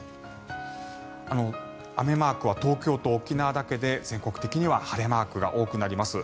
雨マークは東京と沖縄だけで全国的には晴れマークが多くなります。